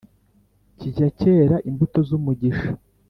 kijya cyera imbuto z’umugisha